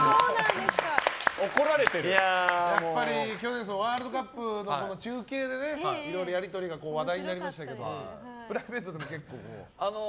やっぱりワールドカップの中継でね、いろいろやり取りが話題になりましたけどプライベートでも結構？